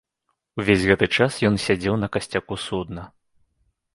Увесь гэты час ён сядзеў на касцяку судна.